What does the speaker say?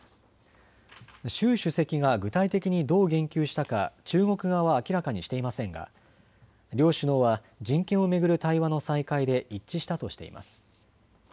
習主席が具体的にどう言及したか中国側は明らかにしていませんが両首脳は人権を巡る対話の再開で一致したとしています。